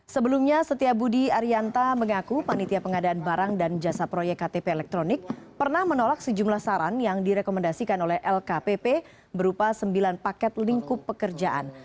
sebelumnya setia budi arianta mengaku panitia pengadaan barang dan jasa proyek ktp elektronik pernah menolak sejumlah saran yang direkomendasikan oleh lkpp berupa sembilan paket lingkup pekerjaan